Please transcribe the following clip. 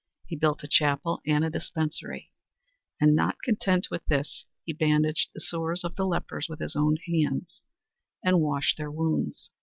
He built a chapel and a dispensary, and not content with this he bandaged the sores of the lepers with his own hands, and washed their wounds.